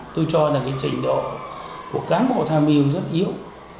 tôi cho là cái trình độ của cán bộ tham mưu rất yếu